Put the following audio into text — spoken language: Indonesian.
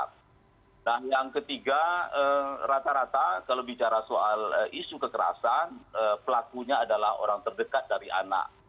nah yang ketiga rata rata kalau bicara soal isu kekerasan pelakunya adalah orang terdekat dari anak